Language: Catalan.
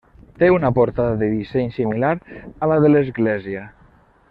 Té una portada de disseny similar a la de l'església.